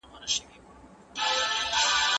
یوني سیسټم د ناروغۍ ابتدايي نښې ښيي.